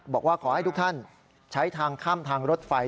บอกว่าขอให้ทุกท่านใช้ทางข้ามทางรถไฟ